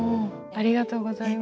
ありがとうございます。